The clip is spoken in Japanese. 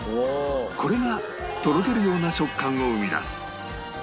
これがとろけるような食感を生み出す